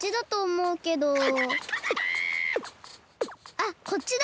あこっちだ！